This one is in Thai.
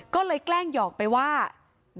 พนักงานในร้าน